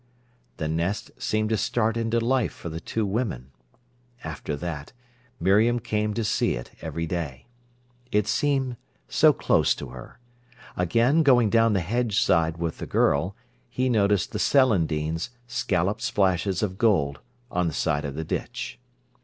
The nest seemed to start into life for the two women. After that, Miriam came to see it every day. It seemed so close to her. Again, going down the hedgeside with the girl, he noticed the celandines, scalloped splashes of gold, on the side of the ditch.